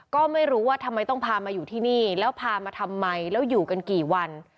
ก็ไม่รู้ว่าทำไมต้องพามาอยู่ที่นี่แล้วพามาทำไมแล้วอยู่กันกี่วัน